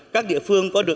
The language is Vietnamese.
các địa phương có định tưởng